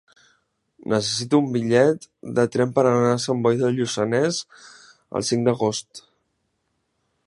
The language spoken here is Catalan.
Necessito un bitllet de tren per anar a Sant Boi de Lluçanès el cinc d'agost.